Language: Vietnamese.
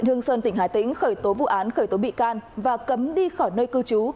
hương sơn tỉnh hà tĩnh khởi tố vụ án khởi tố bị can và cấm đi khỏi nơi cư trú